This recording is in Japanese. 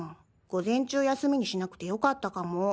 午前中休みにしなくてよかったかも。